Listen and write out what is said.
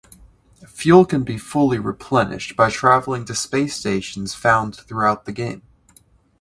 Fuel can be fully replenished by traveling to space stations found throughout the game.